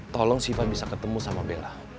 tolong siva bisa ketemu sama bella